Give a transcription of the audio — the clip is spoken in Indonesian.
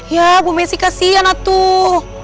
ya bu messi kasian atu